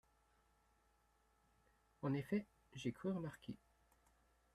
En effet, j’ai cru remarquer…